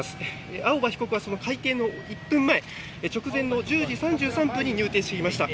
青葉被告は開廷の１分前直前の１０時３３分に入廷しました。